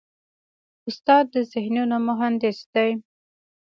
استاد د ذهنونو مهندس دی.